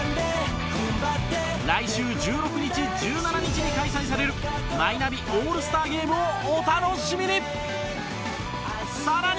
１６日、１７日に開催されるマイナビオールスターゲームをお楽しみに更に！